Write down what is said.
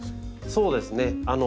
そうですね。